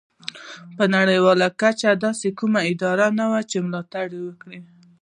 په نړیواله کچه داسې کومه اداره نه وه چې ملاتړ وکړي.